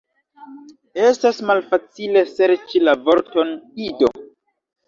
Estas malfacile serĉi la vorton, Ido